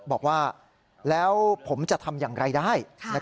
บอกว่าแล้วผมจะทำอย่างไรได้